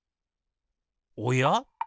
おや？